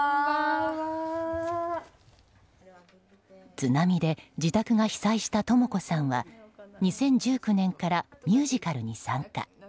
津波で自宅が被災した友子さんは２０１９年からミュージカルに参加。